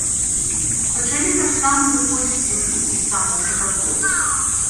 Пачалі таксама выходзіць людзі і з самога завода.